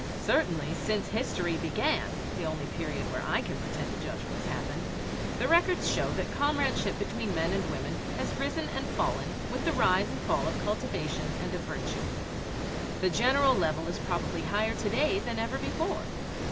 Certainly, since history began, the only period where I can pretend to judge what has happened, the records show that comradeship between men and women has risen and fallen with the rise and fall of cultivation and of virtue. The general level is probably higher to day than ever before.